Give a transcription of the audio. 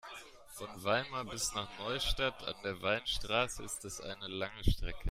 Von Weimar bis nach Neustadt an der Weinstraße ist es eine lange Strecke